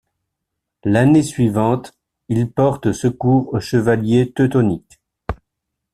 L’année suivante, il porte secours aux chevaliers teutoniques.